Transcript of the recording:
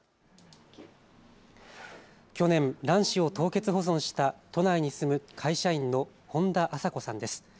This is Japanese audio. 去年、卵子を凍結保存した都内に住む会社員の本多麻子さんです。